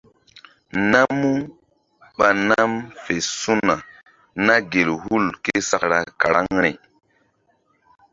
Namu ɓa nam fe su̧na na gel hul késakra karaŋri.